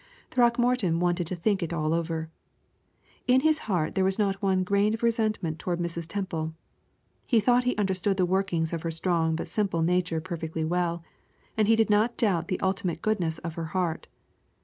Throckmorton wanted to think it all over. In his heart there was not one grain of resentment toward Mrs. Temple. He thought he understood the workings of her strong but simple nature perfectly well, and he did not doubt the ultimate goodness of her heart.